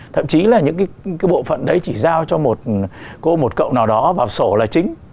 thậm chí là những cái bộ phận đấy chỉ giao cho một cậu nào đó vào sổ là chính